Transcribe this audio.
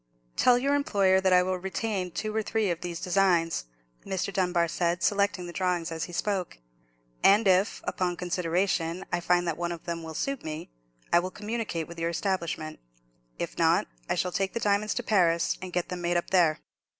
"Tell your employer that I will retain two or three of these designs," Mr. Dunbar said, selecting the drawings as he spoke; "and if, upon consideration, I find that one of them will suit me, I will communicate with your establishment. If not, I shall take the diamonds to Paris, and get them made up there."